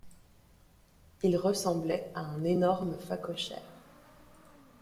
Il ressemblait à un énorme phacochère.